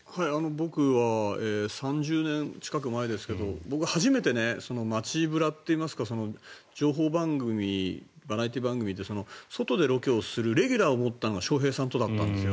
僕は３０年近く前ですが僕、初めて街ブラといいますか情報番組、バラエティー番組で外でロケをするレギュラーを持ったのが笑瓶さんとだったんです。